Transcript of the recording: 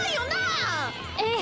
ええ。